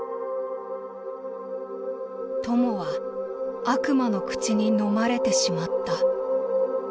「友は、悪魔の口にのまれてしまった」。